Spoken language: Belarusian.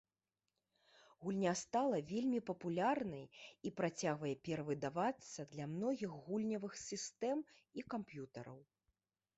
Гульня стала вельмі папулярнай і працягвае перавыдавацца для многіх гульнявых сістэм і камп'ютараў.